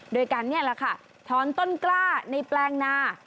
โดยกันนี่แหละค่ะถอนต้นกล้าในแปลงนา